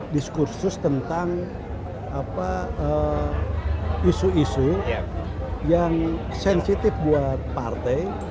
diskursus tentang isu isu yang sensitif buat partai